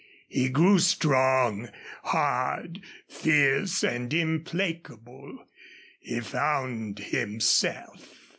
He grew strong, hard, fierce, and implacable. He found himself.